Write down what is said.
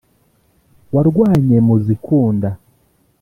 warwanye mu zikunda